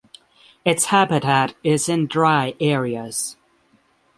Its habitat is in dry areas.